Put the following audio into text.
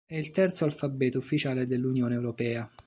È il terzo alfabeto ufficiale dell'Unione europea.